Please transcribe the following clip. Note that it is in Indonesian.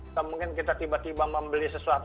atau mungkin kita tiba tiba membeli sesuatu